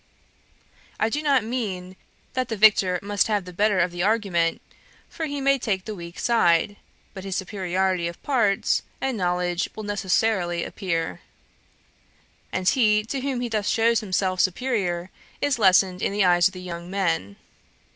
I do not mean that the victor must have the better of the argument, for he may take the weak side; but his superiority of parts and knowledge will necessarily appear: and he to whom he thus shews himself superiour is lessened in the eyes of the young men.